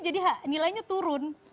jadi nilainya turun